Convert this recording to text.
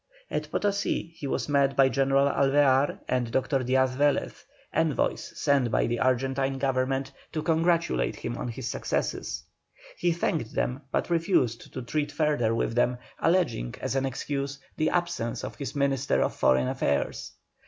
At Potosí he was met by General Alvear and Dr. Diaz Velez, envoys sent by the Argentine Government to congratulate him on his successes. He thanked them but refused to treat further with them, alleging as an excuse the absence of his Minister of Foreign Affairs.